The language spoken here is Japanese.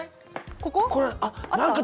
ここ？